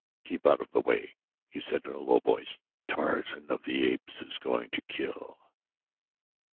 "Keep out of the way," he said in a low voice. "Tarzan of the Apes is going to kill."